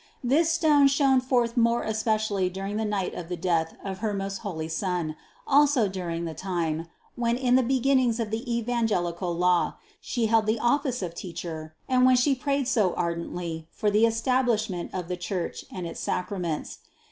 This love shone forth more especial ly during the night of the Death of her most holy Son, also during the time, when in the beginnings of the evan gelical law, She held the office of teacher and when She prayed so ardently for the establishment of the Church and its Sacraments.